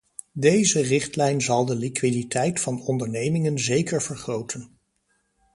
Deze richtlijn zal de liquiditeit van ondernemingen zeker vergroten.